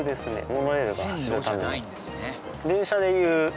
モノレールが走るための。